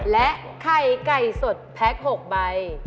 และไข่ไก่สดแพ็ค๖ใบ